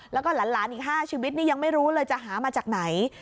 แล้วก็หลานอีก๕ชีวิตนี่ยังไม่รู้เลยจะหามาจากไหน